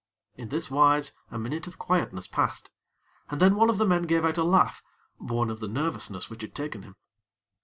In this wise a minute of quietness passed, and then one of the men gave out a laugh, born of the nervousness which had taken him.